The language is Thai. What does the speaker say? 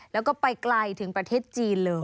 แล้วก็ไปไกลถึงประเทศจีนเลย